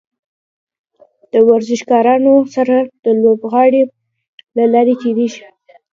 د ورزشکارانو سره د لوبغالي له لارې تیریږي.